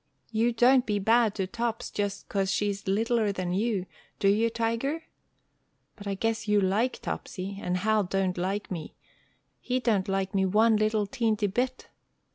You don't be bad to Tops just 'cause she's littler than you, do you, Tiger? But I guess you like Topsy, and Hal don't like me. He don't like me one little teenty bit."